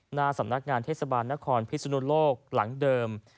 หน้าสำนักงานเทศบาลนครพิศนุโลกหลังเดิม